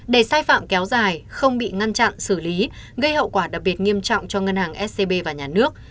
để sai phạm kéo dài không bị ngăn chặn xử lý gây hậu quả đặc biệt nghiêm trọng cho ngân hàng scb và nhà nước